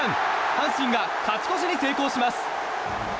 阪神が勝ち越しに成功します。